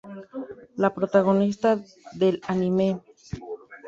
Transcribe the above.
La protagonista del anime.